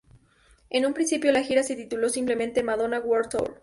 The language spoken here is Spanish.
En un principio la gira se tituló simplemente "Madonna World Tour".